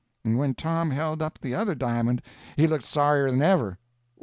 And when Tom held up the other di'mond he looked sorrier than ever.